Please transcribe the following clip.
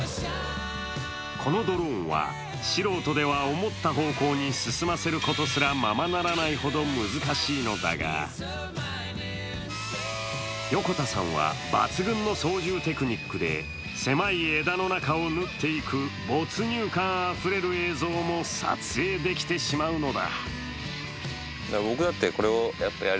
このドローンは素人では思った方向に進ませることすらままならないほど難しいのだが横田さんは抜群の操縦テクニックで狭い枝の中をぬっていく没入感あふれる映像も撮影できてしまうのだ。